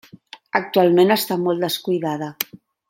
Actualment està molt descuidada.